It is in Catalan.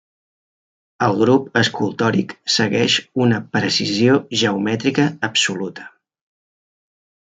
El grup escultòric segueix una precisió geomètrica absoluta.